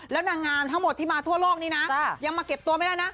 แล้วนางงามทั้งหมดที่มาทั่วโลกนี้นะยังมาเก็บตัวไม่ได้นะ